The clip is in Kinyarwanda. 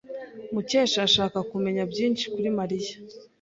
Mukesha arashaka kumenya byinshi kuri Mariya.